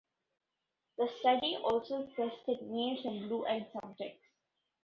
The study also tested males and blue-eyed subjects.